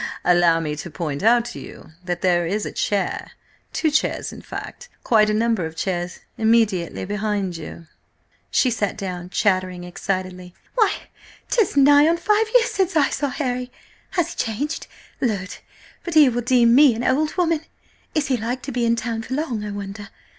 "Allow me to point out to you that there is a chair–two chairs–in fact, quite a number of chairs–immediately behind you." She sat down, chattering excitedly. "Why, 'tis nigh on five years since I saw Harry! Has he changed? Lud! but he will deem me an old woman! Is he like to be in town for long, I wonder?